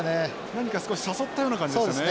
何か少し誘ったような感じでしたね。